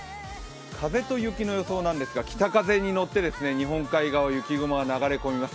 風と雪の予想なんですが、北風に乗って日本海側、雪雲が流れ込みます。